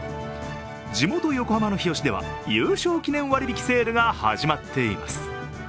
地元・横浜の日吉では優勝記念割引セールが始まっています。